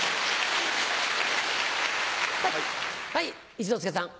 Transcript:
一之輔さん。